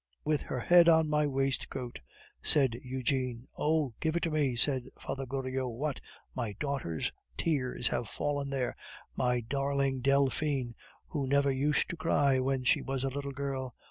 "With her head on my waistcoat," said Eugene. "Oh! give it to me," said Father Goriot. "What! my daughter's tears have fallen there my darling Delphine, who never used to cry when she was a little girl!